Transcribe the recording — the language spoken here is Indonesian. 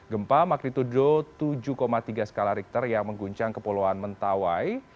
gempa magnitudo tujuh tiga skala richter yang mengguncang kepulauan mentawai